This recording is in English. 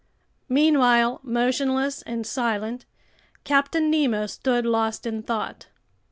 Meanwhile, motionless and silent, Captain Nemo stood lost in thought.